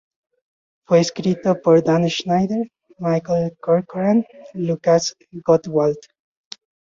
Fue escrito por Dan Schneider, Michael Corcoran y Lukasz Gottwald.